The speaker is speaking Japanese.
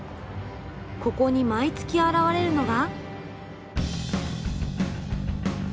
ここに毎月現れるのが。